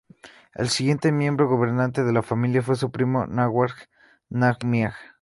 El siguiente miembro gobernante de la familia fue su primo Ngawang Namgyal.